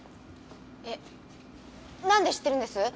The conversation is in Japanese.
えなんで知ってるんです？